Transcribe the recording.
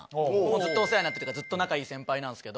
ずっとお世話になってるずっと仲いい先輩なんすけど。